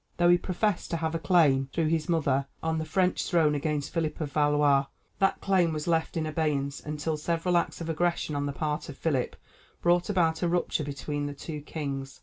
Though he professed to have a claim, through his mother, on the French throne against Philip of Valois, that claim was left in abeyance until several acts of aggression on the part of Philip brought about a rupture between the two kings.